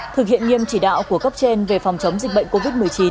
thực hiện nghiêm chỉ đạo của cấp trên về phòng chống dịch bệnh covid một mươi chín